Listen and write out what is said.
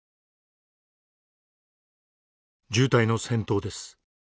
渋滞の先頭です。